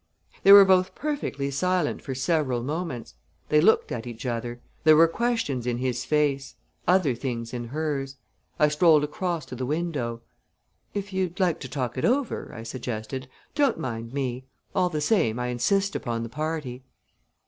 They were both perfectly silent for several moments. They looked at each other. There were questions in his face other things in hers. I strolled across to the window. "If you'd like to talk it over," I suggested, "don't mind me. All the same I insist upon the party."